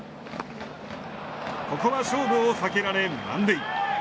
ここは勝負を避けられ満塁。